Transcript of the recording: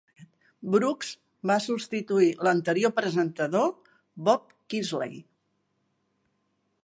Brooks va substituir l'anterior presentador, Bob Kingsley.